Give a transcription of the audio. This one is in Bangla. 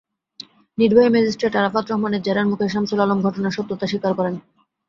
নির্বাহী ম্যাজিস্ট্রেট আরাফাত রহমানের জেরার মুখে সামসুল আলম ঘটনার সত্যতা স্বীকার করেন।